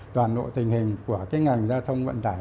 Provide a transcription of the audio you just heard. toàn bộ tình hình của cái ngành giao thông vận tải